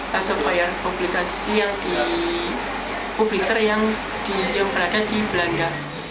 yang ketiga adalah di aspire publikasi yang di publisher yang berada di belanda